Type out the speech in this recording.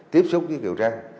tiếp xúc với kiều trang